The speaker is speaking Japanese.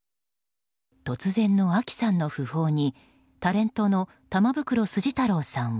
突然のあきさんの訃報にタレントの玉袋筋太郎さんは。